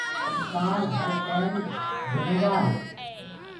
انسآن هر ٽيم گُني گآري